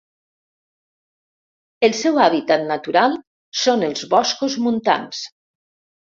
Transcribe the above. El seu hàbitat natural són els boscos montans.